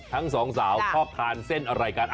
ทั้งสองสาวชอบทานเส้นอะไรกัน